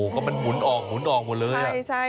ก็มันหมุนออกหมุนออกหมดเลย